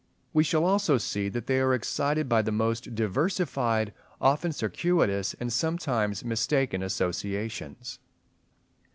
We shall also see that they are excited by the most diversified, often circuitous, and sometimes mistaken associations.